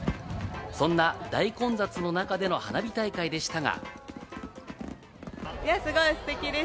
そんな大混雑の中での花火大会でしたが。